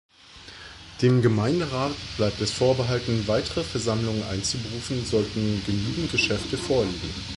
Dem Gemeinderat bleibt es vorbehalten, weitere Versammlungen einzuberufen, sollten genügend Geschäfte vorliegen.